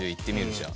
じゃあ。